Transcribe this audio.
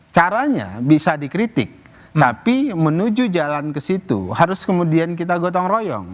caranya bisa dikritik tapi menuju jalan ke situ harus kemudian kita gotong royong